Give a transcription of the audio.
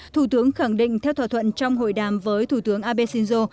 thủ tướng khẳng định theo thỏa thuận trong hội đàm với thủ tướng abe shinzo